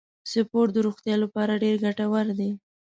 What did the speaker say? سپورت د روغتیا لپاره ډیر ګټور دی.